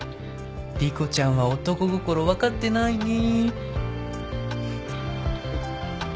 莉子ちゃんは男心分かってないね。